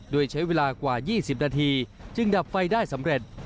โดยใช้เวลากว่า๒๐นาทีจึงดับไฟได้สำเร็จ